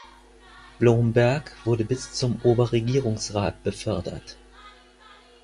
Blomberg wurde bis zum Oberregierungsrat befördert.